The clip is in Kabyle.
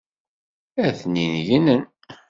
Atnin gnen.